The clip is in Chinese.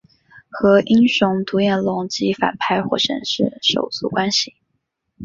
和英雄独眼龙及反派火神是手足关系。